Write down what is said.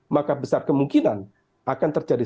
maka besar kemungkinan akan terjadi